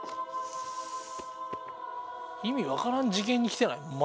意味分からん次元に来てない？